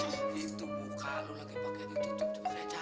iya tuh muka lu lagi pake duduk duduk